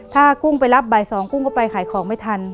ถ้ากุ้งไปรับบ่าย๒กุ้งก็ไปขายของไม่ทัน